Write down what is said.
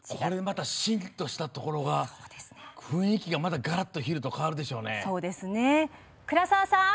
シーンとしたところが雰囲気ががらっと昼と変わるでしょうね。